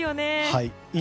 はい。